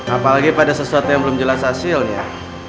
apalagi pada sesuatu yang belum jelas hasilnya